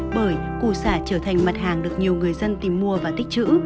bởi củ sả trở thành mặt hàng được nhiều người dân tìm mua và tích chữ